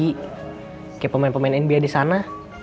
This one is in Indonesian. kayak pemain pemain india di sana